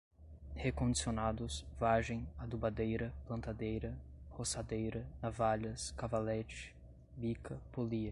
recondicionados, vagem, adubadeira, plantadeira, roçadeira, navalhas, cavalete, bica, polia